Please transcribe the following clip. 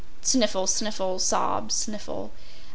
” Sniffle, sniffle, sob, sniffle.